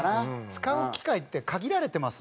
使う機会って限られてます